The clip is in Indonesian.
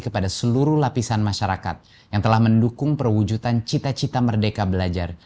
kepada seluruh lapisan masyarakat yang telah mendukung perwujudan cita cita merdeka belajar